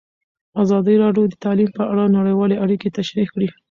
ازادي راډیو د تعلیم په اړه نړیوالې اړیکې تشریح کړي.